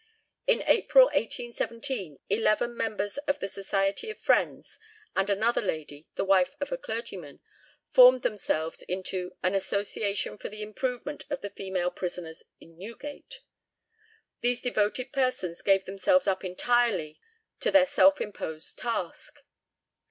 In April 1817 eleven members of the Society of Friends and another lady, the wife of a clergyman, formed themselves into "an association for the improvement of the female prisoners in Newgate." These devoted persons gave themselves up entirely to their self imposed task.